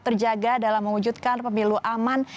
terjaga dalam mewujudkan pemilu aman